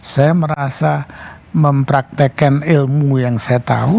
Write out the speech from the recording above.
saya merasa mempraktekan ilmu yang saya tahu